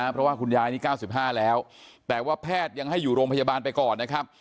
เพราะว่าคุณยายนี่๙๕แล้วแต่ว่าแพทย์ยังให้อยู่โรงพยาบาลไปก่อนนะครับ